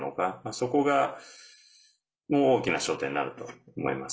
そこが大きな焦点になると思います。